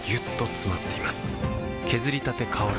削りたて香る